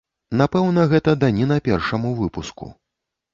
Напэўна, гэта даніна першаму выпуску.